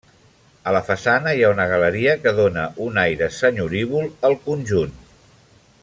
A la façana hi ha una galeria que dóna un aire senyorívol al conjunt.